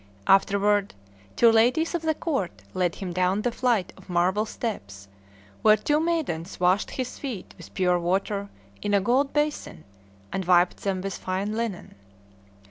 Afterward, two ladies of the court led him down the flight of marble steps, where two maidens washed his feet with pure water in a gold basin, and wiped them with fine linen.